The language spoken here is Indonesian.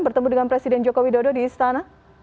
bertemu dengan presiden joko widodo di istana